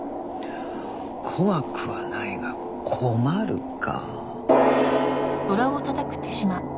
怖くはないが困るか。